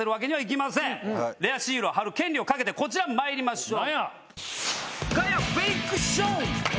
レアシールを貼る権利を懸けてこちらまいりましょう。